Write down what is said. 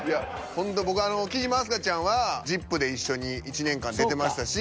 ほんと僕あの貴島明日香ちゃんは「ＺＩＰ！」で一緒に１年間出てましたし。